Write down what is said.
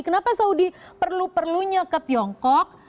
kenapa saudi perlu perlunya ke tiongkok